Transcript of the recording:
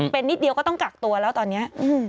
เป็นนิดเดียวก็ต้องกักตัวแล้วตอนนี้